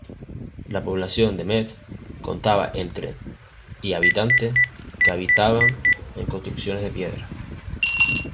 La población de Metz, contaba entre y habitantes, que habitaban en construcciones de piedra.